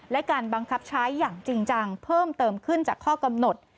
และการบังคับใช้อย่างจริงจังเพิ่มเติมขึ้นจากข้อกำหนด